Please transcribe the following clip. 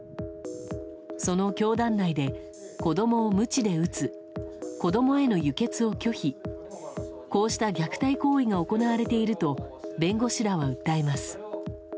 その教団内で、子供をムチで打つ子供への輸血を拒否こうした虐待行為が行われていると弁護士らは訴えます。